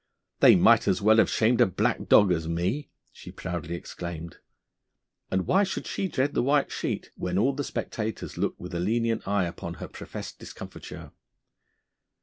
'They might as well have shamed a black dog as me,' she proudly exclaimed; and why should she dread the white sheet, when all the spectators looked with a lenient eye upon her professed discomfiture?'